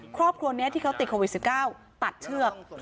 ครอบครัวนี้ที่เขาติดโควิด๑๙ตัดเชือก